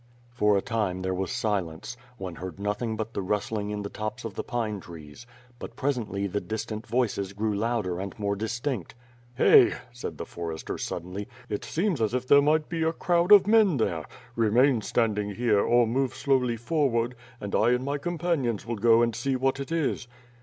For a time, there was silence; one heard nothing but the rustling in the tops of the pine trees; but, presently, the dis tant voices grew louder and more distinct. "Iley," said the forester, suddenly, "it seems as if there might be a crowd of men there. Remain standing here, or move slowly forward, and I and my companions will go and see what it is."